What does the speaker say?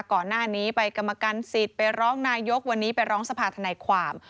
ก่อนหน้านี้ไปกรรมการสิทธิ์ไปร้องนายกวันนี้ไปร้องสภาธนายความ